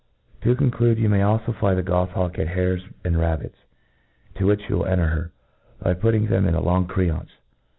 To conclude, you may alfo fly the gofhawfe at hares and rabbits, to which you will enter her, by putting them in a long creancc.